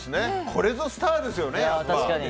これぞスターですよね。